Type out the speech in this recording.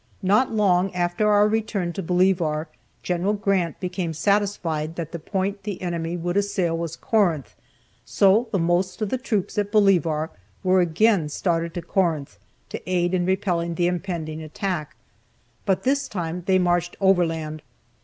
Not long after our return to Bolivar, Gen. Grant became satisfied that the point the enemy would assail was Corinth, so the most of the troops at Bolivar were again started to Corinth, to aid in repelling the impending attack, but this time they marched overland.